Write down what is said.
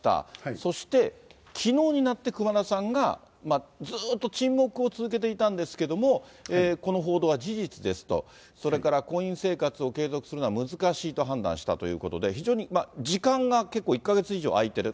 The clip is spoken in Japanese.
そして、きのうになって、熊田さんが、ずっと沈黙を続けていたんですけども、この報道は事実ですと、それから婚姻生活を継続するのは難しいと判断したということで、非常に時間が結構、１か月以上空いている。